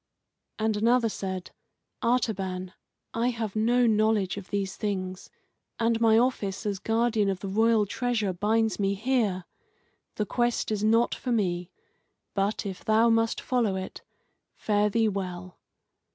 And another said: "Artaban, I have no knowledge of these things, and my office as guardian of the royal treasure binds me here. The quest is not for me. But if thou must follow it, fare thee well."